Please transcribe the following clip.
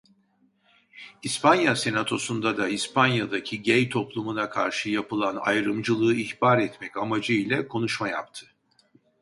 İspanya Senatosu'nda da İspanya'daki gey toplumuna karşı yapılan ayrımcılığı ihbar etmek amacı ile konuşma yaptı.